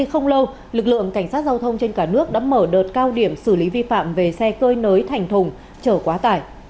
không lâu lực lượng cảnh sát giao thông trên cả nước đã mở đợt cao điểm xử lý vi phạm về xe cơi nới thành thùng trở quá tải